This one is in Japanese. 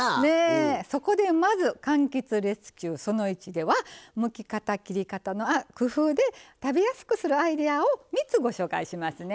そこで、まずかんきつレスキュー・その１ではむき方、切り方の工夫で食べやすくするアイデアを３つご紹介しますね。